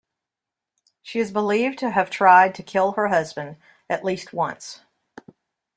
She is believed to have tried to kill her husband at least once.